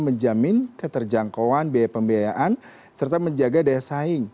menjamin keterjangkauan biaya pembiayaan serta menjaga daya saing